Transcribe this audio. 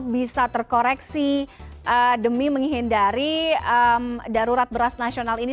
bisa terkoreksi demi menghindari darurat beras nasional ini